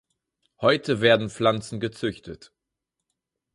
Heute werden Pflanzen gezüchtet.